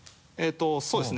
そうですね